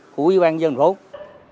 của quỹ ban dân thành phố